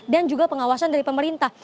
dan juga pengawasan dari pemerintah